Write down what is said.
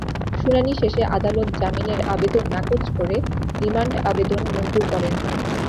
শুনানি শেষে আদালত জামিনের আবেদন নাকচ করে রিমান্ড আবেদন মঞ্জুর করেন।